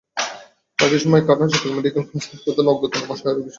বাকি সময় কাটান চট্টগ্রাম মেডিকেল কলেজ হাসপাতালে অজ্ঞাতনামা, অসহায় রোগীদের সেবা করে।